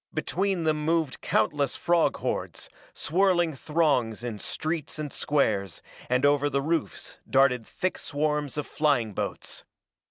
Between them moved countless frog hordes, swirling throngs in streets and squares, and over the roofs darted thick swarms of flying boats.